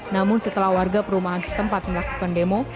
namun setelah warga perumahan setempat melakukan demo